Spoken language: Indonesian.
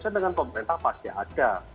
dengan pemerintah pasti ada